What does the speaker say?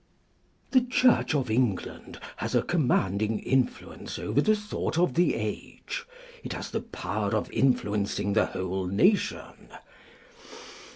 The Church of England has a commanding influence over the thought of the age! It has the power of influencing the whole nation!